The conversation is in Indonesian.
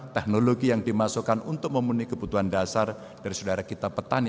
teknologi yang dimasukkan untuk memenuhi kebutuhan dasar dari saudara kita petani